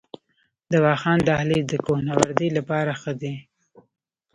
د واخان دهلیز د کوه نوردۍ لپاره ښه دی؟